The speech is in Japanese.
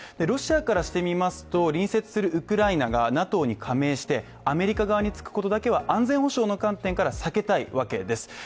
ロシアからしてみますと隣接するウクライナがＮＡＴＯに加盟してアメリカ側につくことだけは安全保障の観点から避けたいわけです。